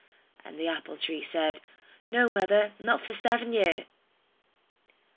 And the apple tree said, "No, mother; not for seven year."